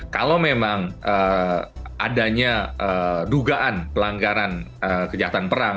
kalau memang adanya dugaan pelanggaran kejahatan perang